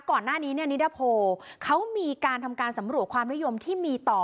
ก่อนหน้านี้เนี่ยนิดาโพเขามีการทำการสำรวจความนิยมที่มีต่อ